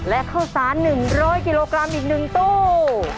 และข้าวสาร๑๐๐กิโลกรัมอีก๑ตู้